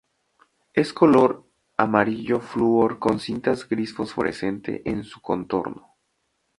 En color amarillo flúor con cintas gris fosforescente en su contorno.